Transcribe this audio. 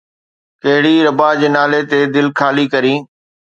ڪهڙي ربا جي نالي تي دل خالي ڪرين؟